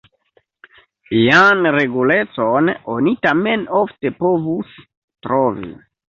Ian regulecon oni tamen ofte povus trovi.